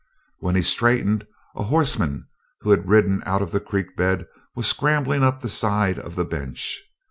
When he straightened a horseman who had ridden out of the creek bed was scrambling up the side of the "bench."